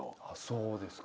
そうですか？